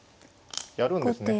やるんですね。